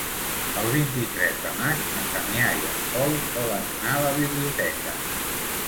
El vint-i-tres de maig en Damià i en Pol volen anar a la biblioteca.